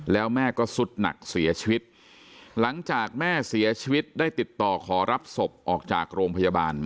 แล้วแม่ก็สุดหนักเสียชีวิตหลังจากแม่เสียชีวิตได้ติดต่อขอรับศพออกจากโรงพยาบาล